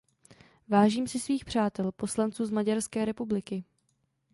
Vážím si svých přátel, poslanců z Maďarské republiky.